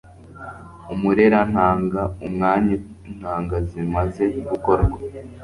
umurerantanga umwanya intanga zimaze gukorwa